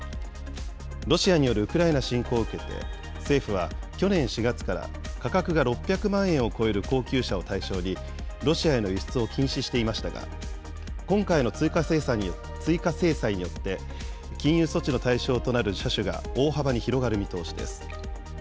ロシアによるウクライナ侵攻を受けて、政府は、去年４月から価格が６００万円を超える高級車を対象に、ロシアへの輸出を禁止していましたが、今回の追加制裁によって、禁輸措置の対象となる車種が大幅に広がる見通しです。